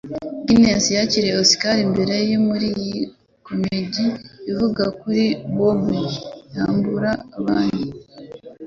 Guinness yakiriye Oscar mbere muri iyi comedi ivuga kuri "Mob" yambura banki